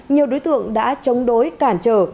nhiều đối tượng đã chống đối cản trở